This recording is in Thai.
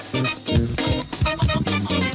ใหม่กว่าเดิม